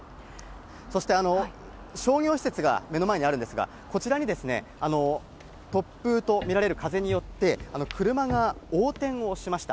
そして商業施設が目の前にあるんですが、こちらに突風と見られる風によって、車が横転をしました。